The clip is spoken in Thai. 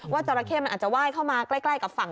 จราเข้มันอาจจะไหว้เข้ามาใกล้กับฝั่ง